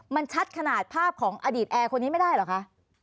มันชัดขนาดภาพของอดีตแอร์คนนี้ไม่ได้เหรอคะ